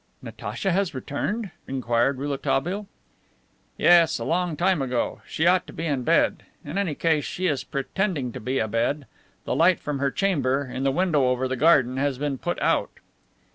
"Natacha has returned?" inquired Rouletabille. "Yes, a long time ago. She ought to be in bed. In any case she is pretending to be abed. The light from her chamber, in the window over the garden, has been put out."